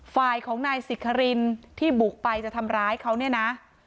ฝ่ายของนายสิครินที่บุกไปจะทำร้ายเขาเนี่ยนะ